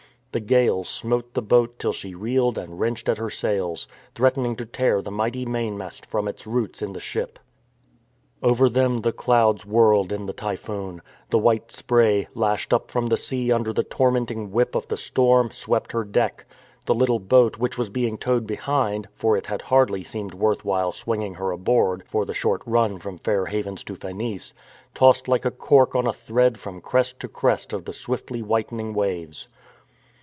The gale smote the boat till she reeled and wrenched at her sails, threatening to tear the mighty mainmast from its roots in the ship. Over them the clouds whirled in the typhoon. The THE TYPHOON 325 white spray, lashed up from the sea under the torment ing whip of the storm, swept her deck. The Httle boat which was being towed behind (for it had hardly seemed worth while swinging her aboard for the short run from Fair Havens to Phenice) tossed like a cork on a thread from crest to crest of the swiftly whitening waves.